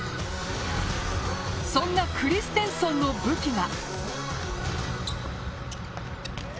そんなクリステンソンの武器が。